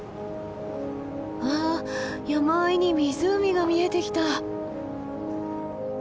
あ山あいに湖が見えてきた！